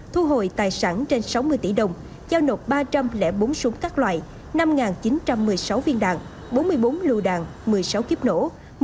thu hồi tài sản trên sáu mươi tỷ đồng giao nộp ba trăm linh bốn súng các loại năm chín trăm một mươi sáu viên đạn bốn mươi bốn lưu đạn một mươi sáu kiếp nổ